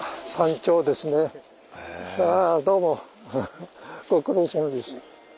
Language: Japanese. どうもご苦労さまです。